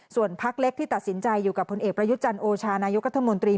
ส่วนพักเล็กที่ตัดสินใจอยู่กับพลเอกประยุทธ์จันทร์โอชานายกรัฐมนตรี